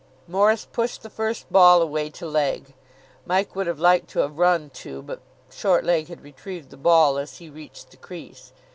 Morris pushed the first ball away to leg. Mike would have liked to have run two, but short leg had retrieved the ball as he reached the crease.